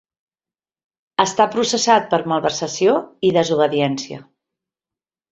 Està processat per malversació i desobediència.